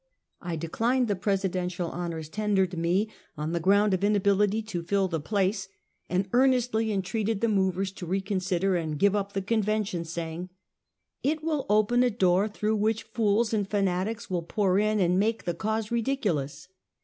I declined the presidential lionors tendered me, on the ground of inability to fill the place; and earnestly entreated the movers to reconsider and give up the convention, saying: " It will open a door through which fools and fanat ics will pour in, and make the cause ridiculous."